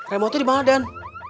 remote itu di mana den